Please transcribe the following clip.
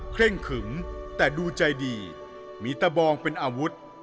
เร่งขึมแต่ดูใจดีมีตะบองเป็นอาวุธ